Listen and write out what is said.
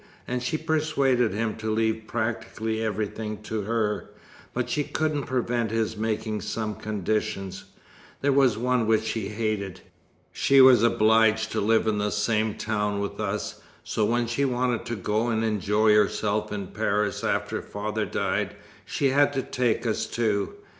And she persuaded him to leave practically everything to her; but she couldn't prevent his making some conditions. There was one which she hated. She was obliged to live in the same town with us; so when she wanted to go and enjoy herself in Paris after father died, she had to take us too.